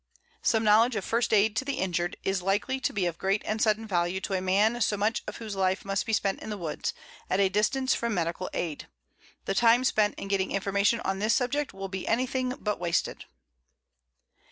Some knowledge of first aid to the injured is likely to be of great and sudden value to a man so much of whose life must be spent in the woods, at a distance from medical aid. The time spent in getting information on this subject will be anything but wasted.